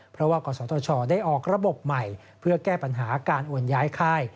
เพราะว่ากศธชได้ออกระบบใหม่เพื่อแก้ปัญหาการโอนย้ายค่าย